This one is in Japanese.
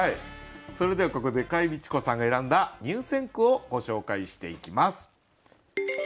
それではここで櫂未知子さんが選んだ入選句をご紹介していきます。